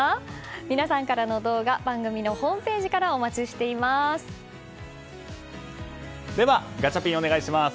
皆さんからの動画番組のホームページからでは、ガチャピンお願いします。